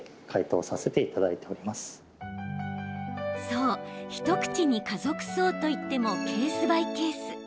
そう、一口に家族葬といってもケースバイケース。